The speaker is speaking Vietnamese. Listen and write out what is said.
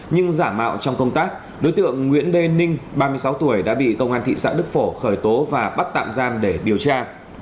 nhưng giả mạo trong công tác đối tượng nguyễn b ninh ba mươi sáu tuổi đã bị công an thị xã đức phổ khởi tố và bắt tạm giam để điều tra